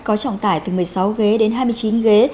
có trọng tải từ một mươi sáu ghế đến hai mươi chín ghế